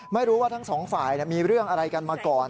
ไม่รู้ว่าทั้งสองฝ่ายมีเรื่องอะไรกันมาก่อน